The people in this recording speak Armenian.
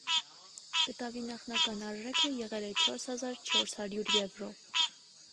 Կտավի նախնական արժեքը եղել է չորս հազար չորս հարյուր եվրո։